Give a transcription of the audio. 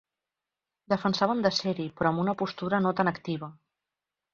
Defensaven de ser-hi, però amb una postura no tan activa.